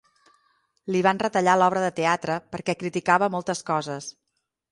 Li van retallar l'obra de teatre perquè criticava moltes coses.